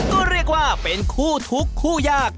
ก็เรียกว่าเป็นคู่ทุกคู่ยาก